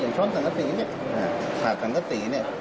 อย่างช้อนสังกะสีเนี่ยถาดสังกะสีเนี่ย